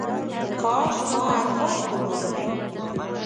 کاش ما الفاظ درلودلی .